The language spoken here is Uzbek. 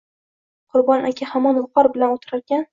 Qurbon aka hamon viqor bilan o‘tirarkan